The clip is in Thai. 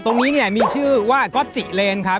ตรงนี้เนี่ยมีชื่อว่าก๊อตจิเลนครับ